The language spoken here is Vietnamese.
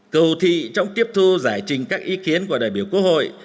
cầu thị trong tiếp thu giải trình các ý kiến của đại biểu quốc hội